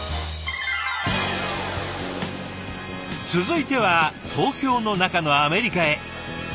続いては東京の中のアメリカへ。